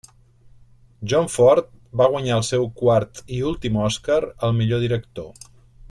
John Ford va guanyar el seu quart i últim Oscar al millor director.